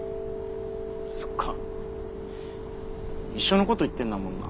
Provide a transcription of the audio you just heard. そっか一緒のこと言ってんだもんな。